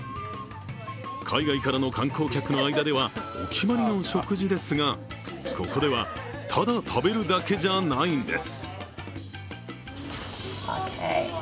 海外からの観光客の間ではお決まりの食事ですが、ここでは、ただ食べるだけじゃないんです。